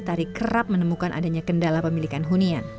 tari kerap menemukan adanya kendala pemilikan hunian